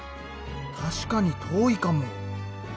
確かに遠いかも。